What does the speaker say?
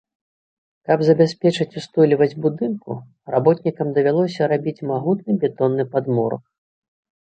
Каб забяспечыць устойлівасць будынку, работнікам давялося рабіць магутны бетонны падмурак.